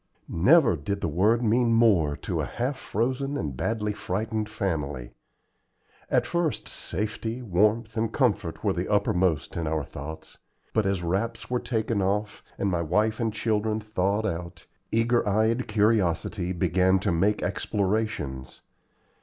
Never did the word mean more to a half frozen and badly frightened family. At first safety, warmth, and comfort were the uppermost in our thoughts, but as wraps were taken off, and my wife and children thawed out, eager eyed curiosity began to make explorations.